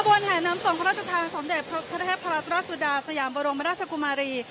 วนแห่น้ำส่งพระราชทานสมเด็จพระเทพรัตราชสุดาสยามบรมราชกุมารี